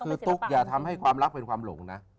คือตุ๊กอย่าทำให้ความรักเป็นความหลงนะ